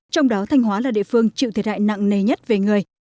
trong đó thanh hóa là địa phương chịu thiệt hại nặng nề nhất về người